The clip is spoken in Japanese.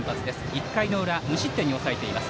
１回の裏、無失点に抑えています。